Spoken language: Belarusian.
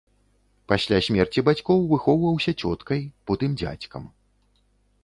Пасля смерці бацькоў выхоўваўся цёткай, потым дзядзькам.